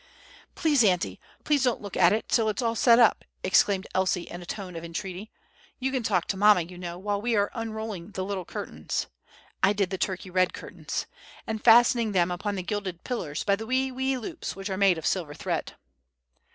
"Please, auntie, please don't look at it till it's all set up!" exclaimed Elsie, in a tone of entreaty. "You can talk to mamma, you know, while we are unrolling the little curtains (I did the Turkey red curtains)—and fastening them up on the gilded pillars by the wee wee loops which are made of silver thread!"